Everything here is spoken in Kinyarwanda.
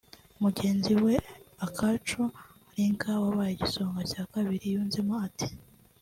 Mugenzi we Akacu Lynca wabaye igisonga cya kabiri yunzemo ati